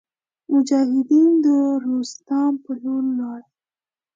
مجاهدین د روستام په لور ولاړل.